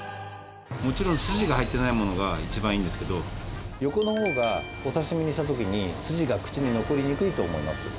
もちろんスジが入ってないものが一番いいんですけど横の方がお刺し身にした時にスジが口に残りにくいと思います。